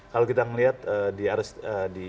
kalau kita melihat di